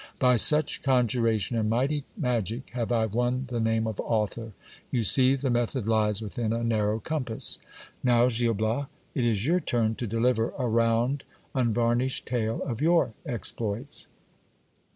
By such conjuration and mighty magic have I won the name of author. You see the method lies within a narrow compass. Now, Gil Bias, it is your turn to deliver a round unvarnished tale of your exploits.